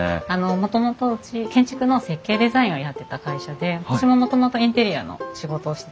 もともとうち建築の設計デザインをやってた会社で私ももともとインテリアの仕事をしてた者なんです。